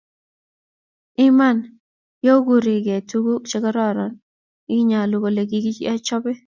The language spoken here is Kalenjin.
Iman, yougireii tuguk chegororon inay kole kigaichope